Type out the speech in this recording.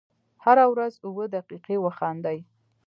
هره ورځ اووه دقیقې وخاندئ .